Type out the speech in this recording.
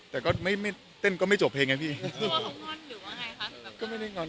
แต่ก็ไม่ไม่เต้นก็ไม่จบเพลงไงพี่ตัวของงอนหรือว่าไงคะสำหรับก็ไม่ได้งอน